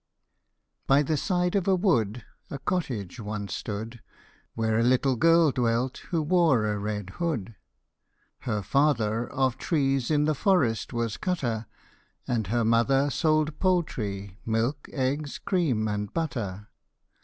the side of a wood A cottage once stood, Where a little girl dwelt, who wore a red hood. Her father of trees in the forest was cutter, And her mother sold poultry, milk, eggs, cream, and butter.